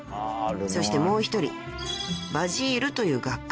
［そしてもう一人バジールという画家］